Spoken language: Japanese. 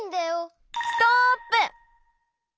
ストップ！